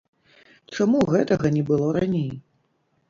Чаму гэтага не было раней?